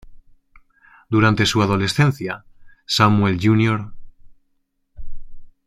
Durante su adolescencia, Samuel Jr.